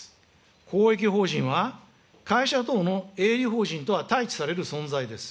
公益法人は会社等の営利法人とは対置される存在です。